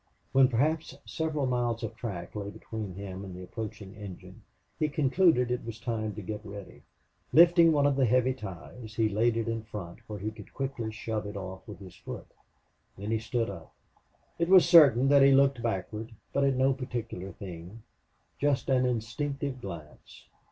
When perhaps several miles of track lay between him and the approaching engine, he concluded it was time to get ready. Lifting one of the heavy ties, he laid it in front where he could quickly shove it off with his foot. Then he stood up. It was certain that he looked backward, but at no particular thing just an instinctive glance.